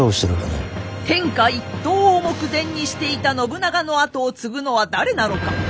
天下一統を目前にしていた信長の後を継ぐのは誰なのか。